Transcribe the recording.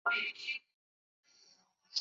超级塞车，果然不能搭车